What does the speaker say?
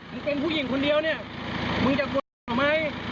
มึงเป็นผู้หญิงคนเดียวเนี่ยมึงจะปวดหรือเปล่าไหม